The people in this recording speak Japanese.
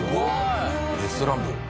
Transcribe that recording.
レストラン部。